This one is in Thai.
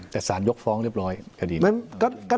แต่สารยกฟ้องเรียบร้อย